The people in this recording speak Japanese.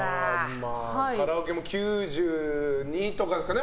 カラオケも９２とかですかね。